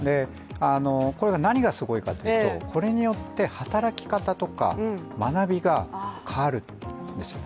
これが何がすごいかというと、これによって働き方とか学びが変わるんですよね。